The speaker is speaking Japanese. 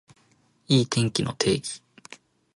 いい天気の定義